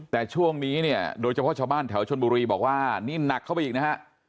แต่ช่วงนี้เนี่ยโดยเฉพาะชาวบ้านแถวชนบุรีบอกว่านี่หนักเข้าไปอีกนะฮะ